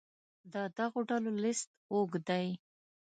د دغو ډلو لست اوږد دی.